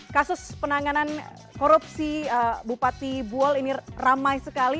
kasus penanganan korupsi bupati buol ini ramai sekali